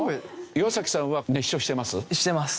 岩さんは熱唱してます？